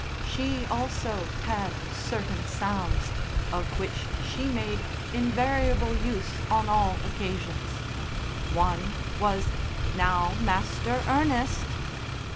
She also had certain sounds, of which she made invariable use on all occasions. One was, "Now, Master Ernest!"